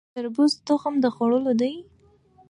د تربوز تخم د خوړلو دی؟